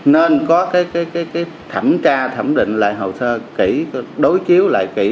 nên có cái thẩm tra thẩm định lại hồ sơ kỹ đối chiếu lại kỹ